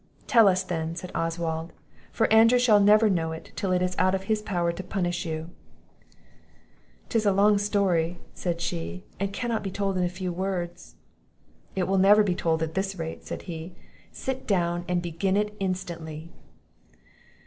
"Tell us then," said Oswald; "for Andrew shall never know it, till it is out of his power to punish you." "'Tis a long story," said she, "and cannot be told in a few words." "It will never be told at this rate," said he; "sit down and begin it instantly."